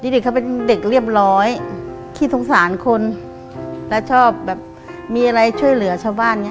เด็กเขาเป็นเด็กเรียบร้อยขี้สงสารคนและชอบแบบมีอะไรช่วยเหลือชาวบ้านอย่างเ